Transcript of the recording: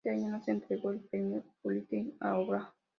Ese año, no se entregó el premio Pulitzer a obra alguna.